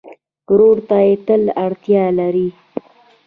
ورور ته تل اړتیا لرې.